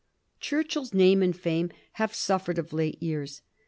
Churchill's name and fame have suffered of late years.